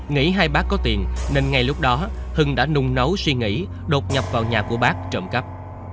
nghĩ hai bác có tiền nên ngay lúc đó hưng đã nung nấu suy nghĩ đột nhập vào nhà của bác trộm cắp